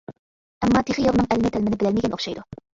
ئەمما تېخى ياۋنىڭ ئەلمى-تەلمىنى بىلەلمىگەن ئوخشايدۇ.